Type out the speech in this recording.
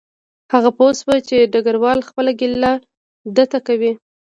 هغه پوه شو چې ډګروال خپله ګیله ده ته کوي